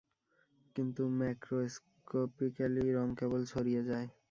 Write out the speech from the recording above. কিন্তু ম্যাক্রোস্কপিক্যালি রং কেবল ছড়িয়ে যায়।